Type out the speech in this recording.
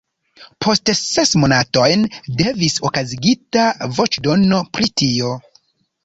Post ses monatojn devis okazigita voĉdono pri tio.